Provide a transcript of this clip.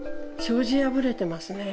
障子破れてますね。